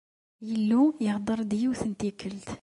Illu ihder-d yiwet n tikkelt.